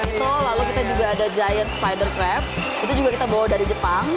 itu lalu kita juga ada giant spider crab itu juga kita bawa dari jepang